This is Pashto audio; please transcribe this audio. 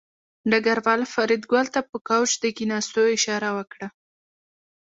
ډګروال فریدګل ته په کوچ د کېناستو اشاره وکړه